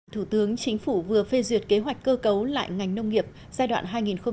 thủ tướng chính phủ vừa phê duyệt kế hoạch cơ cấu lại ngành nông nghiệp giai đoạn hai nghìn một mươi sáu hai nghìn hai mươi